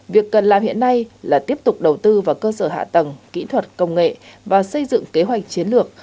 việc cần làm hiện nay là tiếp tục đầu tư vào cơ sở hạ tầng kỹ thuật công nghệ và xây dựng kế hoạch chiến lược